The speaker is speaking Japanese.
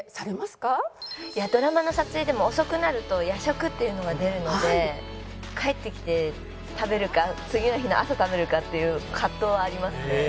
ドラマの撮影でも遅くなると夜食っていうのが出るので帰ってきて食べるか次の日の朝食べるかっていう葛藤はありますね。